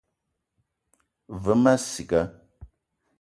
Ve ma ciga